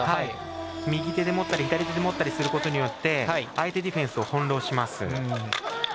右手で持ったり左手で持ったりすることによって相手ディフェンスを翻弄します。